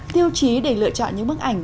tiêu chí để lựa chọn những bức ảnh